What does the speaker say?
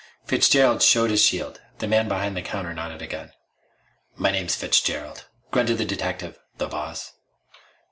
Fitzgerald showed his shield. The man behind the counter nodded again. "My name's Fitzgerald," grunted the detective. "The boss?"